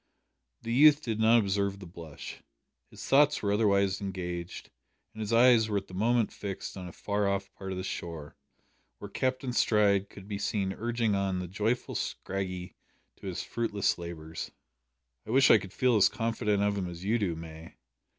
The youth did not observe the blush. His thoughts were otherwise engaged, and his eyes were at the moment fixed on a far off part of the shore, where Captain Stride could be seen urging on the joyful Scraggy to his fruitless labours. "I wish I could feel as confident of him as you do, May.